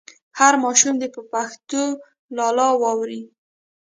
هر ماشوم دې په پښتو لالا واوري.